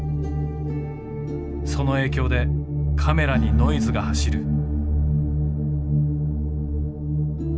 その影響でカメラにノイズが走る。